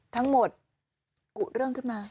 ทั้งหมดกุเรื่องขึ้นมา